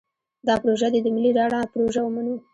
دا پروژه دې د ملي رڼا پروژه ومنو.